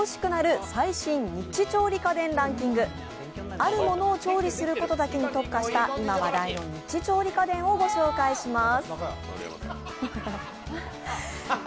あるものを調理することだけに特化した、今話題のニッチ家電をご紹介します。